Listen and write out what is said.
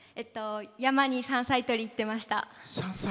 山に山菜採りに行ってました。